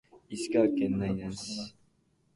石川県内灘町